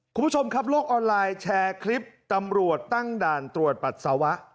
คุณผู้ชมครับโลกออนไลน์แชร์คลิปตำรวจตั้งด่านตรวจปัสสาวะ